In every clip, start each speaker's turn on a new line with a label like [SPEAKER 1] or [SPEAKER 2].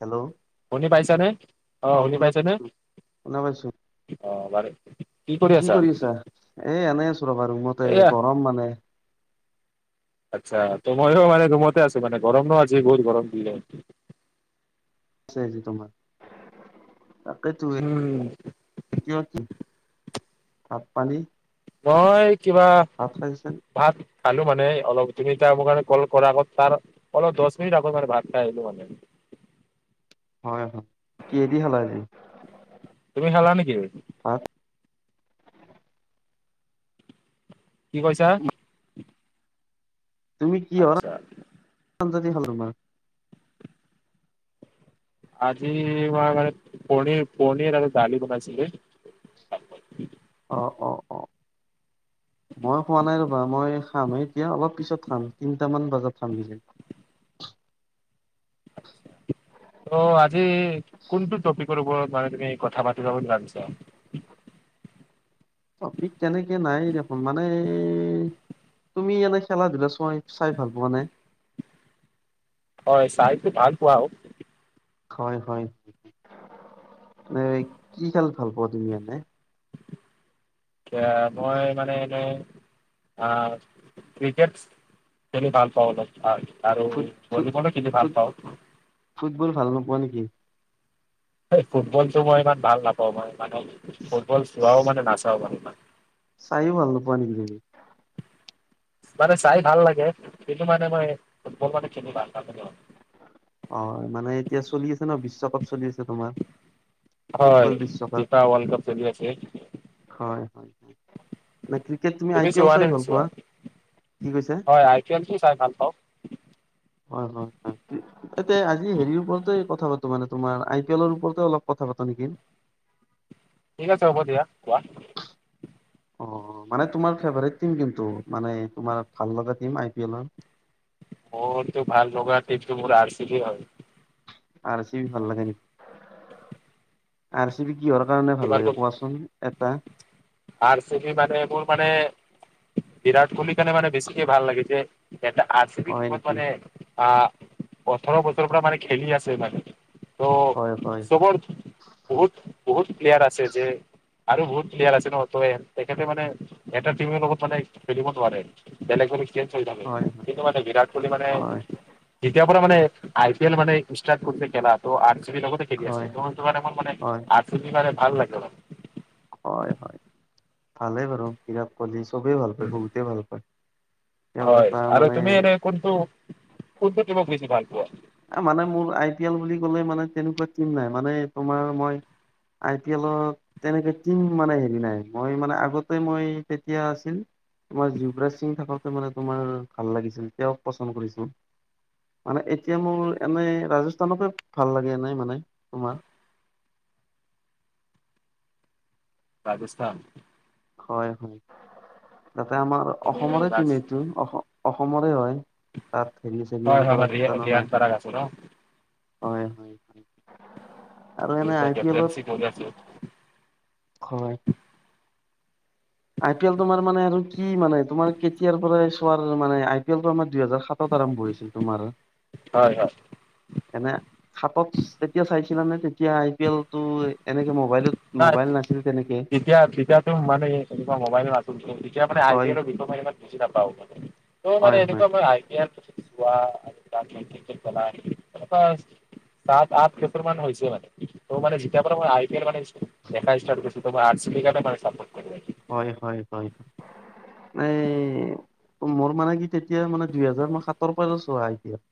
[SPEAKER 1] Hello.
[SPEAKER 2] শুনি পাইছানে? অ' শুনি
[SPEAKER 1] শুনা
[SPEAKER 2] পাইছানে?
[SPEAKER 1] পাইছো শুনা পাইছোঁ।
[SPEAKER 2] অ বাৰু কৰি
[SPEAKER 1] কি
[SPEAKER 2] আছা?
[SPEAKER 1] কৰিছা? এ, এনেই আছোঁ ৰ'বা ৰুমতে
[SPEAKER 2] এয়া
[SPEAKER 1] গৰম মানে।
[SPEAKER 2] আচ্ছা ত' ময়ো মানে ৰুমতে আছোঁ মানে গৰম ন' আজি বহুত গৰম দিলে।
[SPEAKER 1] দিছে আজি তোমাৰ। তাকেটো
[SPEAKER 2] উম
[SPEAKER 1] কি [unintelligible] ভাত পানী
[SPEAKER 2] মই কিবা
[SPEAKER 1] ভাত খাইছেন?
[SPEAKER 2] ভাত খালোঁ মানে অলপ তুমি তাৰ মোক কাৰনে কল কৰা আগত তাৰ অলপ দহ মিনিট আগত মানে ভাত খাই আহিলো মানে।
[SPEAKER 1] হয় হয়, কিহেদি খালা আজি?
[SPEAKER 2] তুমি খালা নেকি?
[SPEAKER 1] ভাত।
[SPEAKER 2] কি কৈছা?
[SPEAKER 1] তুমি কিহৰ
[SPEAKER 2] আচ্ছা
[SPEAKER 1] আঞ্জা দি খালা ভাত?
[SPEAKER 2] আজি আমাৰ মানে পনিৰ পনিৰ আৰু দালি বনাইছিলে।
[SPEAKER 1] অ', অ', অ', মই খোৱা নাই ৰ'বা মই খামহে। এতিয়া অলপ পিছত খাম, তিনটামান বজাত খামগে কিজানি।
[SPEAKER 2] ত' আজি কোনটো টপিকৰ ওপৰত মানে তুমি কথা পাতিবা বুলি ভাবিছা?
[SPEAKER 1] টপিক তেনেকে নাই দেখোন মানে তুমি এনে খেলা ধূলা চই চাই ভাল পোৱানে?
[SPEAKER 2] হয় চাইতো ভাল পাওঁ।
[SPEAKER 1] হয় হয়। এনে কি খেল ভাল পোৱা তুমি মানে?
[SPEAKER 2] এতিয়া মই মানে এনেই আ, ক্ৰিকেট। খেলি ভাল পাওঁ অলপ অ' আৰু
[SPEAKER 1] ফুট ফুট
[SPEAKER 2] ভলীবলো খেলি
[SPEAKER 1] ফুট
[SPEAKER 2] ভাল পাওঁ।
[SPEAKER 1] ফুটবল ভাল নোপোৱা নেকি?
[SPEAKER 2] এই ফুটবলটো মই ইমান ভাল নাপাওঁ, মই মানে ফুটবল চোৱাও মানে নাচাও মানে ইমান।
[SPEAKER 1] চায়ো ভাল নাপোৱা নেকি তুমি?
[SPEAKER 2] মানে চাই ভাল লাগে কিন্তু মানে মই ফুটবল মানে খেলি ভাল নাপাওঁ।
[SPEAKER 1] অ' মানে এতিয়া চলি আছে ন' বিশ্বকাপ। চলি আছে তোমাৰ। ফুটবল
[SPEAKER 2] হয়
[SPEAKER 1] বিশ্বকাপ
[SPEAKER 2] ফিফা ৱৰ্ল্ড কাপ চলি আছে।
[SPEAKER 1] হয় হয় এনে ক্ৰিকেট তুমি আই পি এল
[SPEAKER 2] চোৱা নে
[SPEAKER 1] চাই ভাল
[SPEAKER 2] নোচোৱা
[SPEAKER 1] পোৱা? কি কৈছা?
[SPEAKER 2] হয় আই পি এলটো চাই ভাল পাওঁ।
[SPEAKER 1] হয় হয় হয়। ইয়াতে আজি হেৰিৰ ওপৰতে কথা পাতো মানে তোমাৰ আই পি এলৰ ওপৰতে অলপ কথা পাতো নেকি?
[SPEAKER 2] ঠিক আছে হ'ব দিয়া। কোৱা!
[SPEAKER 1] অ' মানে তোমাৰ ফেভাৰেট টিম কোনটো মানে তোমাৰ ভাল লগা টিম আই পি এলৰ?
[SPEAKER 2] অ' এইটো ভাল লগা টিমটো মোৰ আৰ চি বি হয়।
[SPEAKER 1] আৰ চি বি ভাল লাগে নেকি? আৰ চি বি কিহৰ কাৰণে ভাল
[SPEAKER 2] তোমাৰ
[SPEAKER 1] লাগে
[SPEAKER 2] কোন
[SPEAKER 1] কোৱাচোন? এটা।
[SPEAKER 2] আৰ চি বি মানে মোৰ মানে বিৰাট কোহলিৰ কাৰণে মানে বেছিকে ভাল লাগে। যে এটা আৰ চি বি
[SPEAKER 1] হয়
[SPEAKER 2] টিমত
[SPEAKER 1] নেকি?
[SPEAKER 2] মানে আ' ওঠৰ বছৰৰ পৰা মানে খেলি আছে মানে। ত
[SPEAKER 1] হয় হয়
[SPEAKER 2] চবৰ বহুত বহুত প্লেয়াৰ আছে যে আৰু বহুত প্লেয়াৰ আছে ন। ত' তেখেতে মানে এটা টিমৰ লগত মানে খেলিব নোৱাৰে। বেলেগ বেলেগ চেঞ্জ হৈ থাকে
[SPEAKER 1] হয়
[SPEAKER 2] কিন্তু মানে বিৰাট কোহলি মানে
[SPEAKER 1] হয়
[SPEAKER 2] যেতিয়াৰ পৰা মানে আই পি এল মানে ষ্টাৰ্ট কৰিছে। খেলা ত' আৰ চি বিৰ লগতে খেলি আছিল।
[SPEAKER 1] হয়
[SPEAKER 2] ত' সেইটো কাৰণে মোৰ মানে
[SPEAKER 1] হয়
[SPEAKER 2] আৰ চি বি মানে ভাল লাগে অলপ।
[SPEAKER 1] হয় হয় ভালেই বাৰু বিৰাট কোহলি চবেই ভাল পায়, বহুতে ভাল পায়। তেওঁ
[SPEAKER 2] হয়
[SPEAKER 1] এটা
[SPEAKER 2] আৰু
[SPEAKER 1] মানে
[SPEAKER 2] তুমি এনেই কোনটো কোনটো টিমক বেছি ভাল পোৱা?
[SPEAKER 1] এ মানে মোৰ আই পি এল বুলি কলে মানে তেনেকুৱা টিম নাই মানে তোমাৰ মই আই পি এলক। তেনেকে টিম মানে হেৰি নাই মই মানে আগতে মই তেতিয়া আছিল। তোমাৰ যুৱৰাজ সিং থাকোতে মানে তোমাৰ ভাল লাগিছিল তেওঁক পচন্দ কৰিছিলো। মানে এতিয়া মোৰ এনে ৰাজস্থানকে ভাল লাগে এনেই মানে তোমাৰ।
[SPEAKER 2] ৰাজস্থান।
[SPEAKER 1] হয়, তাতে আমাৰ অসমৰে টিম এইটো অসমৰে হয়। তাৰ হেৰি,
[SPEAKER 2] হয়
[SPEAKER 1] ৰিয়ান
[SPEAKER 2] হয়
[SPEAKER 1] পৰাগ
[SPEAKER 2] ৰি
[SPEAKER 1] জানো
[SPEAKER 2] ৰিয়ান
[SPEAKER 1] নাই?
[SPEAKER 2] পৰাগ আছে ন
[SPEAKER 1] হয় হয় আৰু এনে
[SPEAKER 2] ত
[SPEAKER 1] আই পি
[SPEAKER 2] কেপ্টেনচি
[SPEAKER 1] এলত
[SPEAKER 2] কৰি আছো
[SPEAKER 1] হয়। আই পি এল তোমাৰ মানে আৰু কি মানে তোমাৰ কেতিয়াৰ পৰাই চোৱাৰ মানে আই পি এলটো আমাৰ দুইহেজাৰ সাতত আৰম্ভ হৈছিল তোমাৰ।
[SPEAKER 2] হয় হয়
[SPEAKER 1] এনে সাতত তেতিয়া চাইছিলানে? তে তেতিয়া আই পি এলটো এনেকে মোবাইলত মোবাইল নাছিল তেনেকে।
[SPEAKER 2] এতিয়া তেতিয়াতো মানে এনেকুৱা মোবাইলো নাছিল, তেতিয়া মানে আই পি
[SPEAKER 1] হয়
[SPEAKER 2] এল বিষয়ে ইমান বুজি নাপাও মানে। ত' মানে
[SPEAKER 1] হয় হয়
[SPEAKER 2] এনেকুৱা মই আই পি এল বা ক্ৰিকেট [inaudible] সাত-আঠ বছৰ মান হৈছে মানে। ত' মানে যেতিয়াৰ পৰা মই আই পি এল মানে দেখা ষ্টাৰ্ট কৰিছো আৰ চি বি কাৰণে [unintelligible]
[SPEAKER 1] হয় হয় হয়। মানে মোৰ মানে কি তেতিয়া মানে দুইহেজাৰ মই সাতৰ পৰা চোৱা আই পি এল।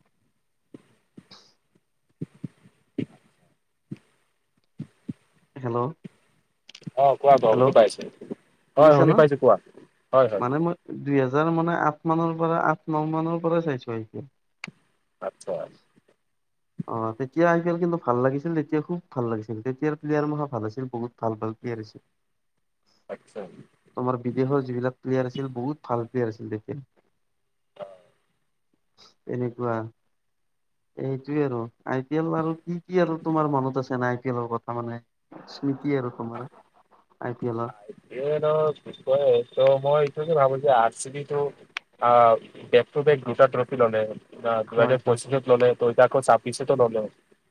[SPEAKER 1] হেল্ল'!
[SPEAKER 2] অ' কোৱা
[SPEAKER 1] হেল্ল'
[SPEAKER 2] শুনি পাই আছোঁ, হয় হয়
[SPEAKER 1] শুনিছা ন
[SPEAKER 2] শুনি পাইছো কোৱা হয় হয়।
[SPEAKER 1] মানে মই দুইহেজাৰ মানে আঠ মানৰ পৰা আঠ-ন' মানৰ পৰাই চাইছো আই পি এল।
[SPEAKER 2] আটচ্ছা!
[SPEAKER 1] অ' তেতিয়া আই পি এল কিন্তু ভাল লাগিছিল তেতিয়া খুব ভাল লাগিছিল তেতিয়াৰ প্লেয়াৰ মহা ভাল আছিল বহুত ভাল ভাল প্লেয়াৰ আছিল। [inaudible]
[SPEAKER 2] আটচ্ছা।
[SPEAKER 1] তোমাৰ বিদেশৰ যিবিলাক প্লেয়াৰ আছিল, বহুত ভাল প্লেয়াৰ আছিল তেতিয়া। তেনেকুৱা এই সেইটোয়ে আৰু আই পি এল আৰু কি কি আৰু তোমাৰ মনত আছে এনেই আই পি এলৰ কথা মানে? স্মৃতি আৰু তোমাৰ I P L
[SPEAKER 2] [unintelligible] I P এলত মই মই এইটোৱে ভাবোঁ যে আৰচিভি তো অ' বেক টু বেক দুটা ট্ৰফি ল'লে। ন দুই
[SPEAKER 1] হয়
[SPEAKER 2] হাজাৰ
[SPEAKER 1] হয়
[SPEAKER 2] পঁচিছত ল'লে, ত এতিয়া আকৌ ছাব্বিছটো ল'লে।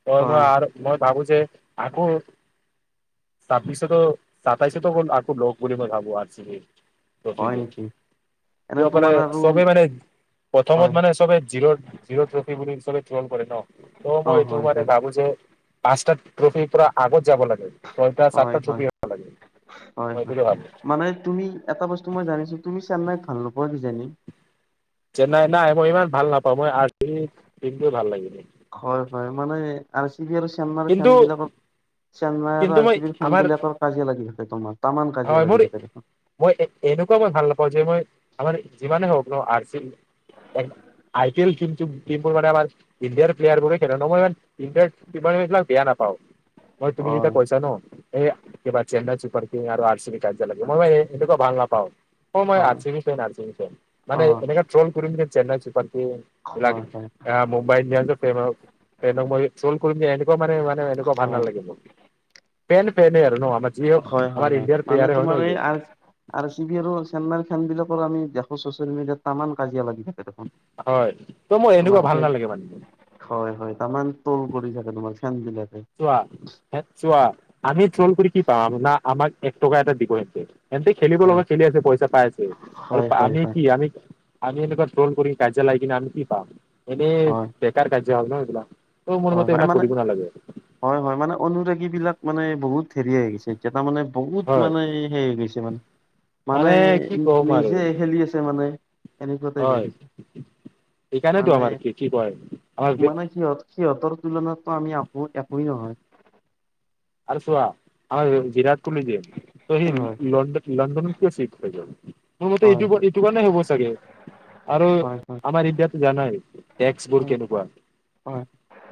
[SPEAKER 2] ত মই
[SPEAKER 1] হয়
[SPEAKER 2] আৰু মই ভাবোঁ যে আকৌ ছাব্বিশটো তাৰপিছতো আকৌ লওক বুলি মই ভাবোঁ আৰ চি বি। [unintelligible]
[SPEAKER 1] হয় নেকি
[SPEAKER 2] যি
[SPEAKER 1] এনে
[SPEAKER 2] সকলে
[SPEAKER 1] তোমাৰ আৰু
[SPEAKER 2] চবে মানে প্ৰথমত
[SPEAKER 1] হয়
[SPEAKER 2] মানে চবে জিৰ জিৰ' ট্ৰফি বুলি চবে থ্ৰল কৰে ন, ত
[SPEAKER 1] অ
[SPEAKER 2] মই এইটো
[SPEAKER 1] হয়
[SPEAKER 2] মানে
[SPEAKER 1] হয়
[SPEAKER 2] ভাবোঁ যে পাঁচটা ট্ৰফিৰ পৰা আগত যাব লাগে। ছয়টা সাতটা ট্ৰফি হয়।
[SPEAKER 1] হয়-হয়, মানে তুমি এটা বস্তু মই জানিছোঁ তুমি চেন্নাইক ভাল নোপোৱা কিজানি?
[SPEAKER 2] চেন্নাই নাই মই ইমান ভাল নাপাওঁ, মই আৰ চি বি টিমটো ভাল লাগে।
[SPEAKER 1] হয় পায় মানে আৰ চি বি আৰু চেন্নাই
[SPEAKER 2] কিন্তু
[SPEAKER 1] ফেনবিলাকত চেন্নাই আৰু
[SPEAKER 2] কিন্তু
[SPEAKER 1] আৰ
[SPEAKER 2] মই
[SPEAKER 1] চি বিৰ ফেন
[SPEAKER 2] আমাৰ
[SPEAKER 1] বিলাকৰ কাজিয়া লাগি থাকে তোমাৰ, তামাম কাজিয়া লাগি থাকে দেখোন।
[SPEAKER 2] সেই এ এনেকুৱা মই ভাল নাপাওঁ, যে মই আমাৰ যিমানে হওঁক ন R C B I P L টিমটোৰ মানে আমাৰ ইণ্ডিয়াৰ প্লেয়াৰবোৰে খেলে মই [unintelligible] ইমান এইবিলাক বেয়া নাপাওঁ, মই তুমি
[SPEAKER 1] হয়
[SPEAKER 2] যেতিয়া কৈছা ন এই কিবা ছেন্নাই চুপাৰ কিং আৰু আৰ চি বি কাজিয়া লাগে, মই কিবা এনেকুৱা ভাল নাপাওঁ। অ' মই আৰ
[SPEAKER 1] হয়
[SPEAKER 2] C B friend, R C B friend,
[SPEAKER 1] অ
[SPEAKER 2] মানে এনেকে ট্ৰল কৰিম চেন্নাই চুপাৰ কিং লাগে
[SPEAKER 1] হয় হয়
[SPEAKER 2] আ মুম্বাই ইণ্ডিয়াঞ্চৰ ফ্ৰেইণ্ডক মই ট্ৰল কৰিম যে এনেকুৱাও মানে ইমান এনেকুৱা ভাল
[SPEAKER 1] হয়
[SPEAKER 2] নালাগে মোক, ফেণ্ড ফেণ্ডে আৰু ন, আমাৰ যি হওঁক
[SPEAKER 1] হয়
[SPEAKER 2] আমাৰ ইণ্ডিয়াৰ প্লেয়াৰে হয় ন সিয়ো।
[SPEAKER 1] আৰু চি বি আৰু চেন্নাই ফেণ্ড বিলাকৰ আমি দেখোঁ চচিয়েল মিডিয়াত টামাম কাজিয়া লাগি থাকে। দেখোন
[SPEAKER 2] হয় ত মোৰ এনেকুৱা
[SPEAKER 1] তোমাৰ
[SPEAKER 2] ভাল
[SPEAKER 1] ফেন
[SPEAKER 2] নালাগে মানে।
[SPEAKER 1] হয় হয়, তামান ট্ৰল কৰি থাকে তোমাক ফেণ্ড বিলাকে।
[SPEAKER 2] চোৱা চোৱা আমি ট্ৰল কৰি কি পাম, না আমাক এক টকা এটা দিব সিহঁতে সিহঁতি খেলিব
[SPEAKER 1] হয়
[SPEAKER 2] লগা খেলি আছে, পইচা পাই আছে আৰু
[SPEAKER 1] হয় হয়
[SPEAKER 2] আমি
[SPEAKER 1] হয়
[SPEAKER 2] কি আমি আমি এনেকুৱা ট্ৰল কৰি কাজিয়া লাগি কিনে আমি কি পাম, এনেই
[SPEAKER 1] হয়
[SPEAKER 2] বেকাৰ কাজিয়া হয় ন এইবিলাক। ত' মোৰ
[SPEAKER 1] হয়
[SPEAKER 2] মতে
[SPEAKER 1] হয়
[SPEAKER 2] এইবিলাক
[SPEAKER 1] মানে,
[SPEAKER 2] কৰিব নালাগে
[SPEAKER 1] হয় হয় মানে অনুৰাগীবিলাক মানে বহুত হেৰি হৈ গৈছে। এতিয়া তাৰমানে বহুত
[SPEAKER 2] হয়
[SPEAKER 1] মানে হেৰি গৈছে মানে মানে
[SPEAKER 2] কি ক'ম আৰু
[SPEAKER 1] নিজে খেলি আছে মানে এনেকুৱাতে হৈ
[SPEAKER 2] হয়
[SPEAKER 1] গৈছে
[SPEAKER 2] সেইকাৰণেতো
[SPEAKER 1] মানে
[SPEAKER 2] আমাৰ কি কি কয় আমাৰ
[SPEAKER 1] মানে সিহঁত সিহঁতৰ তুলনাততো আমি একো একোই নহয়।
[SPEAKER 2] আৰু চোৱা আমাৰ বিৰাট কোহলি যে ত সেই
[SPEAKER 1] হয়
[SPEAKER 2] লণ্ডনত লণ্ডনত কিয় চিফ হৈ গ'ল। মোৰ মতে
[SPEAKER 1] হয়
[SPEAKER 2] এইটো, এইটো কাৰণে হ'ব চাগে আৰু
[SPEAKER 1] হয় হয়
[SPEAKER 2] আমাৰ ইণ্ডিয়াততো জানাই এ টেক্সবোৰ
[SPEAKER 1] হয়
[SPEAKER 2] কেনেকুৱা,
[SPEAKER 1] হয়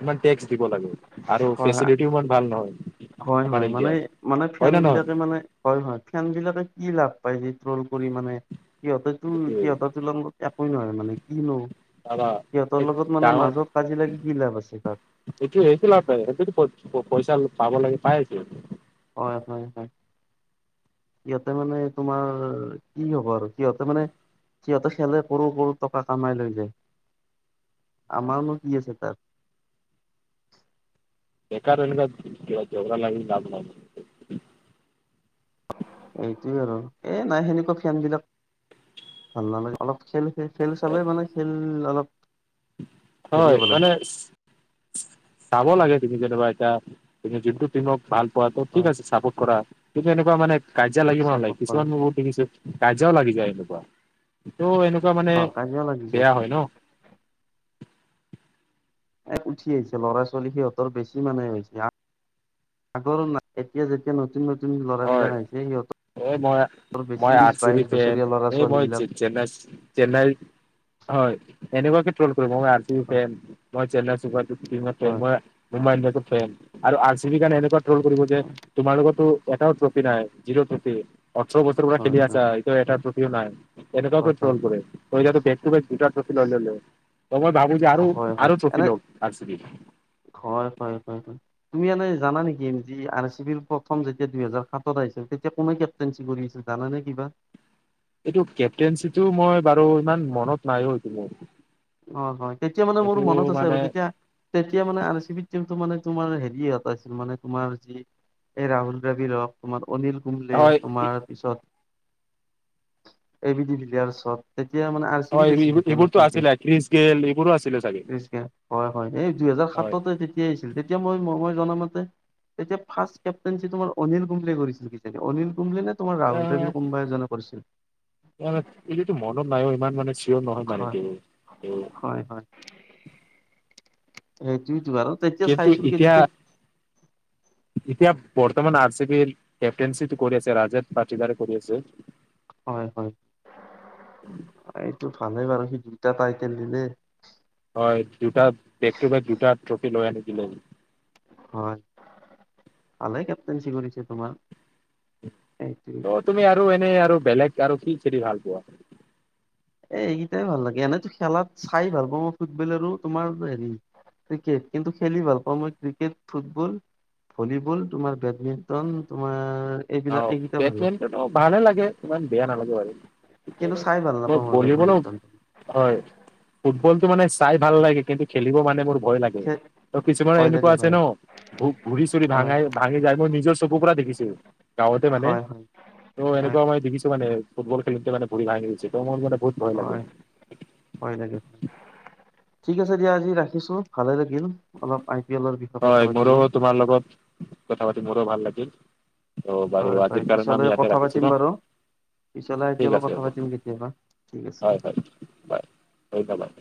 [SPEAKER 2] ইমান টেক্স দিব লাগে। আৰু
[SPEAKER 1] হয়
[SPEAKER 2] ফেচিলিটি ইমান ভাল নহয়।
[SPEAKER 1] হয়
[SPEAKER 2] আমাৰ
[SPEAKER 1] হয় মানে,
[SPEAKER 2] ইণ্ডিয়াত
[SPEAKER 1] মানে
[SPEAKER 2] হয়
[SPEAKER 1] ফেণ্ড
[SPEAKER 2] নে নহয়
[SPEAKER 1] বিলাকে মানে হয় হয়, ফেণ্ড বিলাকে কি লাভ পাই যে ট্ৰল কৰি মানে সিহঁতে তো
[SPEAKER 2] সেইটোৱে
[SPEAKER 1] সিহঁতৰ তুলনা একোই নহয় মানে, কিনো
[SPEAKER 2] দাদা
[SPEAKER 1] সিহঁতৰ
[SPEAKER 2] এক
[SPEAKER 1] লগত মানে
[SPEAKER 2] ডাঙৰ
[SPEAKER 1] মাজত কাজিয়া লাগি কি লাভ আছে তাত।
[SPEAKER 2] এইটো একো লাভ নাই, সেইটোতো পইচা পাব লাগে পাই আছে।
[SPEAKER 1] হয় আপোনালোকে সিহঁতে মানে তোমাৰ কি হ'ব আৰু সিহঁতে মানে সিহঁতে খেলে কৰোৰ কৰোৰ টকা কামাই লৈ যায়, আমাৰনো কি আছে তাত।
[SPEAKER 2] বেকাৰ এনেকুৱা জগৰ লাগি লাভ নাই।
[SPEAKER 1] এইটোৱে আৰু। এ, নাই, সেনেকুৱা ফেনবিলাক, ভাল নালাগে। অলপ খেল খেল চালে মানে, খেল অলপ হেৰি
[SPEAKER 2] হয়!
[SPEAKER 1] হ'ব লাগে
[SPEAKER 2] মানে, চাব লাগে। তুমি যেনিবা, এতিয়া তুমি যোনটো টিমক ভাল পোৱা, ত' ঠিক
[SPEAKER 1] হয়
[SPEAKER 2] আছে, চাপোৰ্ট কৰা। কিন্তু এনেকুৱা মানে, কাজিয়া লাগিব নালাগে।
[SPEAKER 1] চাপৰ্ট কৰা
[SPEAKER 2] কিছুমান বহুত দেখিছোঁ। কাজিয়াও লাগি যায়, এনেকুৱা। ত' এনেকুৱা মানে,
[SPEAKER 1] অ কাজিয়া লাগিছে
[SPEAKER 2] বেয়া হয় ন'! [inaudible]
[SPEAKER 1] এ, উঠি আহিছে। ল'ৰা-ছোৱালী সিহঁতৰ বেছি মানে হৈছে। আগৰ [unintelligible] এতিয়া যেতিয়া, নতুন-নতুন
[SPEAKER 2] হয়
[SPEAKER 1] ল'ৰাবিলাক আহিছে, সিহঁতৰ
[SPEAKER 2] এই মই,
[SPEAKER 1] বেছি
[SPEAKER 2] মই
[SPEAKER 1] বিশ
[SPEAKER 2] আৰ চি
[SPEAKER 1] বাইশ
[SPEAKER 2] বিৰ ফেন,
[SPEAKER 1] বছৰীয়া ল'ৰা
[SPEAKER 2] এই
[SPEAKER 1] ছোৱালী
[SPEAKER 2] মই,
[SPEAKER 1] বিলাক
[SPEAKER 2] চে-চেন্নাই চেন্নাইৰ। হয়! এনেকুৱাকে ট্ৰল কৰিম। মই আৰ চি বিৰ ফেন, মই চেন্নাই ছুপাৰ কিংৰ ফেন।
[SPEAKER 1] হয়
[SPEAKER 2] মই মুম্বাই ইণ্ডিয়ানছৰ ফেন। আৰু আৰ চি বি কাৰণে, এনেকুৱা ট্ৰল কৰিব যে, তোমাৰ লগততো এটাও ট্ৰফি নাই, জিৰ' ট্ৰফি। ওঁঠৰ বছৰৰ পৰা
[SPEAKER 1] হয়
[SPEAKER 2] খেলি
[SPEAKER 1] হয়
[SPEAKER 2] আছা, এতিয়াও এটা
[SPEAKER 1] হয়
[SPEAKER 2] ট্ৰফিও নাই, এনেকুৱাকে
[SPEAKER 1] হয়
[SPEAKER 2] ট্ৰল কৰে। [unintelligible] এতিয়াতো, বেক টু বেক দুটা ট্ৰফি লৈ ল'লে। ত' মই ভাবোঁ যে আৰু,
[SPEAKER 1] হয় হয়
[SPEAKER 2] আৰু
[SPEAKER 1] হয়
[SPEAKER 2] ট্ৰফি
[SPEAKER 1] এনে
[SPEAKER 2] লওঁক আৰ চি বি।
[SPEAKER 1] হয়, হয়, হয়। তুমি এনে জানা নেকি, যি আৰ এ চি বিৰ, প্ৰথম যেতিয়া দুহেজাৰ সাতত আহিছিল, তেতিয়া কোনে কে কেপ্তেইনচ কৰি আছিল, জানানে কিবা?
[SPEAKER 2] এইটো, কেপ্টেইনচিটো মই বাৰু ইমান মনত নাইও, এইটো মোৰ।
[SPEAKER 1] অ' হয়! তেতিয়া মানে, মোৰ
[SPEAKER 2] এইটো
[SPEAKER 1] মনত আছে আৰু।
[SPEAKER 2] মানে
[SPEAKER 1] তেতিয়া, তেতিয়া মানে, আৰ এ চি বি টিমটো মানে, তোমাৰ হেৰিয়ত আছিল মানে, তোমাৰ যি এই ৰাহুল [unintelligible] তোমাৰ অনিল কুম্বলে,
[SPEAKER 2] হয়
[SPEAKER 1] তোমাৰ পিছত [unintelligible] এতিয়া মানে, চি বিত
[SPEAKER 2] হয়,
[SPEAKER 1] আছিল তেতিয়া
[SPEAKER 2] এইবোৰ-এইবোৰতো
[SPEAKER 1] নতুনকে
[SPEAKER 2] আছিলে, ক্ৰিচ গেল, এইবোৰো আ
[SPEAKER 1] [unintelligible] হয়, হয়! এই দুইহেজাৰ
[SPEAKER 2] হয়
[SPEAKER 1] সাততে, তেতিয়াই আহিছিল। তেতিয়া মই, মই জনামতে, তেতিয়া, ফাৰ্ষ্ট কেপ্টেইনচিটো তোমাৰ, অনিল কুম্বলে কৰিছিল কিজানি, অনিল কুম্বলে নে? তোমাৰ, ৰাহুল দেৱী কোনোবা এজনে কৰিছিল।
[SPEAKER 2] অ'! এইটোতো মনত নাইও। ইমান মানে, চিয়ৰ নহয় মানে
[SPEAKER 1] হয়
[SPEAKER 2] [unintelligible]
[SPEAKER 1] হয়, হয়। এইটোটো আৰু। তেতিয়া
[SPEAKER 2] কিন্তু
[SPEAKER 1] চাইছিলোঁ কি,
[SPEAKER 2] এতিয়া
[SPEAKER 1] যেতিয়া,
[SPEAKER 2] এতিয়া, বৰ্তমান আৰ চি বিৰ কেপ্টেইনচিটো কৰি আছে, [unintelligible] কৰি আছে।
[SPEAKER 1] হয়, হয়! এইটো ভালেই বাৰু। সি দুটা টাইটেল দিলে।
[SPEAKER 2] হয় দুটা, বেক টু বেক দুটা ট্ৰফি লৈ আনি দিলে।
[SPEAKER 1] হয়, ভালে কেপ্টেনচি কৰিছে, তোমাৰ। এইটোৱে
[SPEAKER 2] অ'! তুমি আৰু এনেই আৰু বেলেগ আৰু কি খেলি ভাল পোৱা?
[SPEAKER 1] এই, এইকেইটাই ভাল লাগে। এনেইতো খেলাত, চাই ভাল পাওঁ, মই ফুটবল আৰু তোমাৰ সেৰি ক্ৰিকেট। কিন্তু, খেলি ভাল পাওঁ মই, ক্ৰিকেট, ফুটবল, ভলীবল, তোমাৰ বেডমিন্টন, তোমাৰ, এইবিলাক
[SPEAKER 2] অ'!
[SPEAKER 1] এইকেইটা ভাল লাগে
[SPEAKER 2] বেডমিণ্টনো ভালে লাগে, ইমান বেয়া নালাগে বাৰু।
[SPEAKER 1] কিন্তু চাই ভাল নাপাওঁ মই
[SPEAKER 2] ভলীবলো,
[SPEAKER 1] বেডমিন্টন
[SPEAKER 2] হয়! ফুটবলটো মানে, চাই ভাল লাগে! কিন্তু, খেলিব মানে, মোৰ ভয় লাগে!
[SPEAKER 1] খে
[SPEAKER 2] ত' কিছুমান
[SPEAKER 1] ভয়
[SPEAKER 2] এনেকুৱা
[SPEAKER 1] লাগে
[SPEAKER 2] আছে
[SPEAKER 1] হয়
[SPEAKER 2] ন'! ভৰি-চৰি
[SPEAKER 1] হয়
[SPEAKER 2] ভাঙাই ভাঙি যায়, মই নিজৰ চকুৰ পৰা দেখিছোঁ, গাঁৱতে মানে।
[SPEAKER 1] হয় হয়
[SPEAKER 2] ত'
[SPEAKER 1] হয়
[SPEAKER 2] এনেকুৱা মই দেখিছোঁ মানে। ফুটবল খেলোতে মানে, ভৰি ভাঙি গৈছে। ত' মোৰ মানে, বহুত ভয় লাগে!
[SPEAKER 1] হয়, লাগে। ঠিক আছে দিয়া, আজি ৰাখিছোঁ, ভালে লাগিল। অলপ পি এলৰ বিষয়ে কথা
[SPEAKER 2] হয়, মোৰো
[SPEAKER 1] পাতিলো
[SPEAKER 2] তোমাৰ লগত, কথা পাতি, মোৰো ভাল লাগিল। অ', বাৰু
[SPEAKER 1] হয় হয়
[SPEAKER 2] আজিৰ কাৰণে আমি ইয়াতে ৰাখিছো ন'।
[SPEAKER 1] পিছলাই
[SPEAKER 2] ঠিক
[SPEAKER 1] এতিয়াবা
[SPEAKER 2] আছে
[SPEAKER 1] কথা
[SPEAKER 2] হ'ব
[SPEAKER 1] পাতিম কেতিয়াবা। ঠিক আছে।
[SPEAKER 2] হয় হয়, ধন্যবাদ।